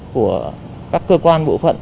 của các cơ quan bộ phận